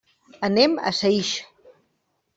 Anem a Saix.